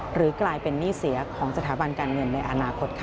หรือกลายเป็นหนี้เสียของสถาบันการเงินในอนาคตค่ะ